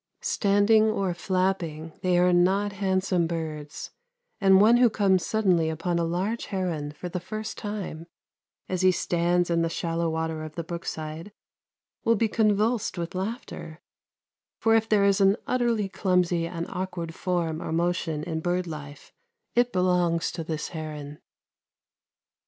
Standing or flapping they are not handsome birds and one who comes suddenly upon a large heron for the first time as he stands in the shallow water of the brookside, will be convulsed with laughter, for if there is an utterly clumsy and awkward form or motion in bird life it belongs to this heron.